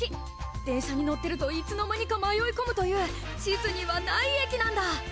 電車に乗ってるといつのまにか迷い込むという地図にはない駅なんだ！